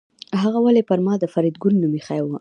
هغه ولې پر ما د فریدګل نوم ایښی و